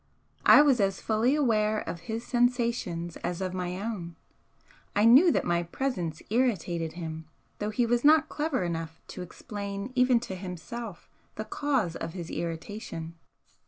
I was as fully aware of his sensations as of my own, I knew that my presence irritated him, though he was not clever enough to explain even to himself the cause of his irritation.